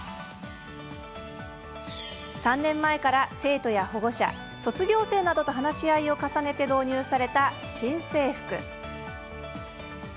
３年前から生徒や保護者卒業生などと話し合いを重ねて導入された新制服。